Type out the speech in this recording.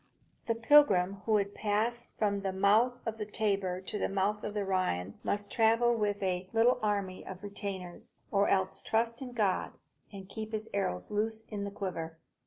The pilgrim who would pass from the mouth of the Tiber to the mouth of the Rhine must travel with a little army of retainers, or else trust in God and keep his arrows loose in the quiver.